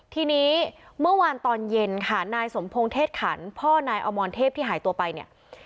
ทีนี้เมื่อวานตอนเย็นค่ะนายสมพงศ์เทศขันพ่อนายอมรเทพที่หายตัวไปเนี่ย